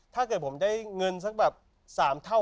ถ้าเกิดผมได้เงินสักแบบ๓เท่า